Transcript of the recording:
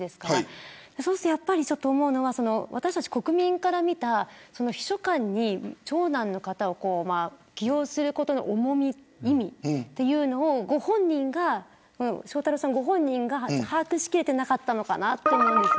やっぱり思うのは国民から見た秘書官に長男を起用することの重み、意味を翔太郎さんご本人が把握し切れていなかったのかなと思います。